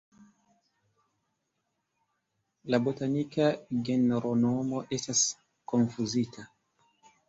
La botanika genronomo estas konfuzita.